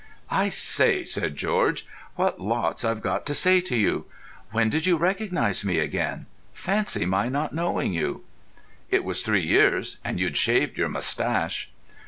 "I say," said George, "what lots I've got to say to you. When did you recognise me again? Fancy my not knowing you." "It was three years, and you'd shaved your moustache."